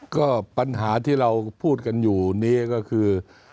ก็ปัญหาที่เราพูดกันอยู่นี้ก็คือ